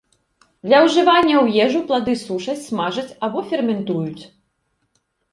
Для ўжывання ў ежу плады сушаць, смажаць або ферментуюць.